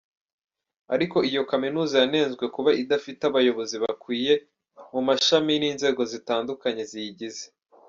Ariko iyo kaminuza yanenzwe kuba idafite abayobozi bakwiye mu mashami n’inzego zitandukanye ziyigize.